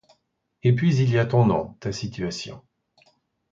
Et puis, il y a ton nom, ta situation.